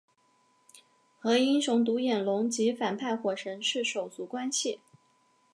和英雄独眼龙及反派火神是手足关系。